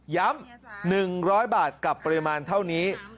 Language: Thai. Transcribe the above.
๑๐๐บาทกับปริมาณเท่านี้